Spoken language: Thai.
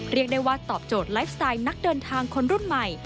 เรียกได้ว่าตอบโจทย์ไลฟ์สไตล์นักเดินทางคนรุ่นใหม่